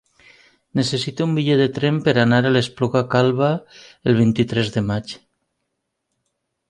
Necessito un bitllet de tren per anar a l'Espluga Calba el vint-i-tres de maig.